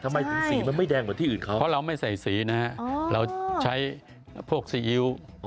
ทำไมสีมันไม่แดงเหมือนที่อื่นครับเพราะเราไม่ใส่สีนะเราใช้โผล่กซีอิ๊ว